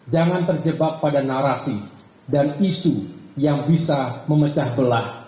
jangan terjebak pada narasi dan isu yang bisa memecah belah